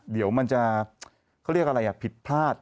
เดี๋ยวมันจะเขาเรียกอะไรผิดพลาด